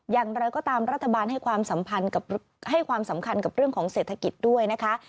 อย่างไรก็ตามรัฐบาลให้ความให้ความสำคัญกับเรื่องของเศรษฐกิจด้วยนะคะ